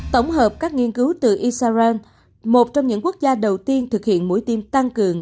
tổng hợp các nghiên cứu từ israel một trong những quốc gia đầu tiên thực hiện mũi tiêm tăng cường